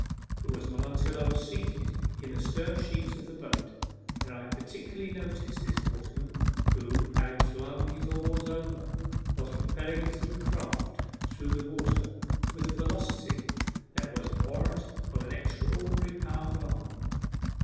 It was not until I was seated in the stern sheets of the boat that I particularly noticed this waterman, who, having flung his oars over, was propelling his little craft through the water with a velocity that was warrant of an extra ordinarily powerful arm.